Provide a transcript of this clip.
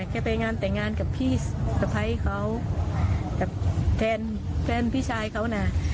แกไปงานแต่งงานกับพี่ภัยเขากับแฟนพี่ชายเขา